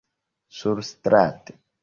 surstrate